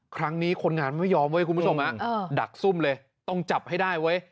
ครั้งนี้คนงานไม่ยอมเว้ยคุณผู้ชมฮะดักซุ่มเลยต้องจับให้ได้เว้ย